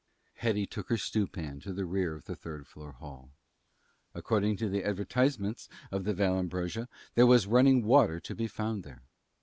Hetty took her stew pan to the rear of the third floor hall. According to the advertisements of the Vallambrosa there was running water to be found there.